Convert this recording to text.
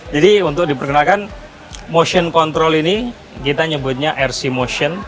jadi untuk diperkenalkan motion control ini kita nyebutnya rc motion